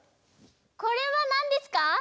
これはなんですか？